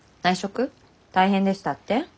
大変でしたって？